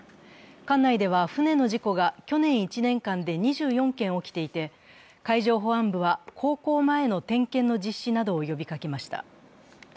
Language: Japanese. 管内では、船の事故が去年１年間で２４件起きていて、海上保安部は航行前の点検の実施などを呼びかけました。